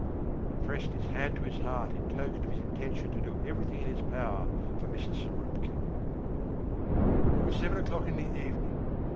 He pressed his hand to his heart in token of his intention to do everything in his power for Mrs. Zarubkin. It was seven o'clock in the evening.